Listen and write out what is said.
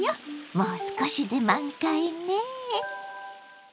もう少しで満開ね！